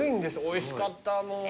おいしかったもう。